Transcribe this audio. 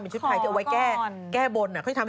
หลายขวดเลยนะ